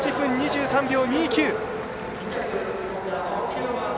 ８分２３秒２９。